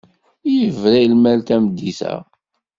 Yebra i lmal tameddit-a.